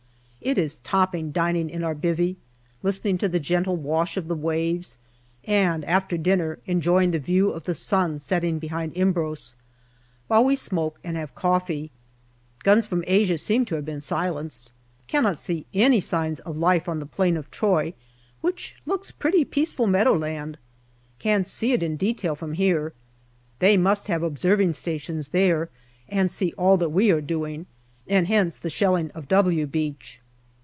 It is topping dining in our " bivvy " listening to the gentle wash of the waves, and after dinner enjoying the view of the sun setting behind Imbros, while we smoke and have coffee. Guns from Asia seem to have been silenced. Cannot see any signs of life on the plain of Troy, which looks pretty peaceful meadow land ! Can see it in detail from here. They must have observing stations there, and see all that we are doing, and hence the shelling of " W " Beach.